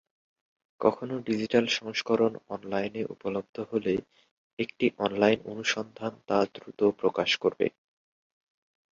কোনও ডিজিটাল সংস্করণ অনলাইনে উপলব্ধ হলে একটি অনলাইন অনুসন্ধান তা দ্রুত প্রকাশ করবে।